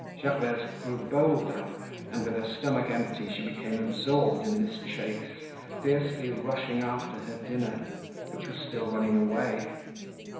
Gervaise grew bolder, and, with her stomach empty, she became absorbed in this chase, fiercely rushing after her dinner, which was still running away.